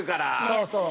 そうそう。